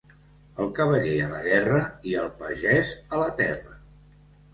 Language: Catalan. El cavaller a la guerra i el pagès a la terra.